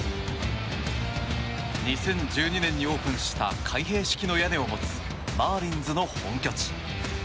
２０１２年にオープンした開閉式の屋根を持つマーリンズの本拠地。